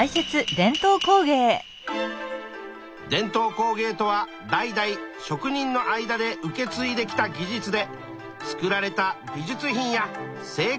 伝統工芸とは代々職人の間で受けついできた技術で作られた美術品や生活道具のこと。